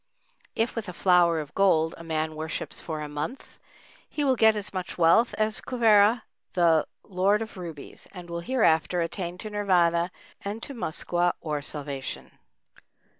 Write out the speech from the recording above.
If with a flower of gold a man worships for a month, he will get as much wealth as Kuvera, the Lord of Rubies, and will hereafter attain to Nirvâna and to Muskwa, or Salvation.